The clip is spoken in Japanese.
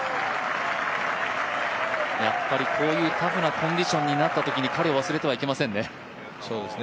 こういうタフなコンディションになったときに、彼を忘れてはいけませんね。